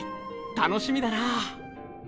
楽しみだな。